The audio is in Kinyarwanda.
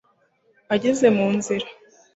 ageze mu nzira